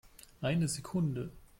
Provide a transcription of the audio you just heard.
Eine Sekunde!